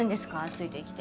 ついてきて。